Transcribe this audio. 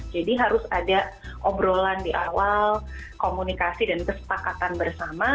jadi harus ada obrolan di awal komunikasi dan kesepakatan bersama